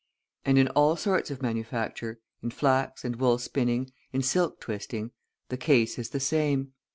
And in all sorts of manufacture, in flax and wool spinning, in silk twisting, the case is the same.